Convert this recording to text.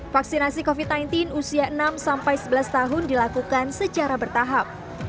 vaksinasi covid sembilan belas usia enam sampai sebelas tahun dilakukan secara bertahap